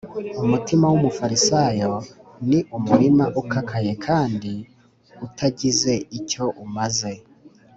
umutima w’umufarisayo ni umurima ukakaye kandi utagize icyo umaze